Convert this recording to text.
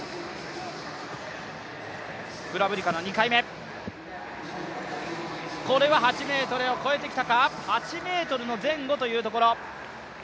プラブディカの２回目、これは８ｍを越えてきたか８ｍ前後というところ。